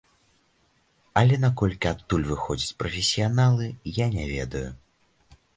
Але наколькі адтуль выходзяць прафесіяналы, я не ведаю.